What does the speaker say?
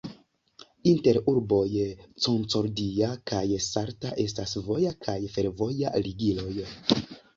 Inter urboj Concordia kaj Salta estas voja kaj fervoja ligiloj.